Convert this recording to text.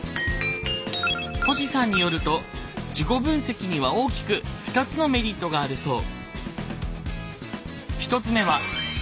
星さんによると自己分析には大きく２つのメリットがあるそう。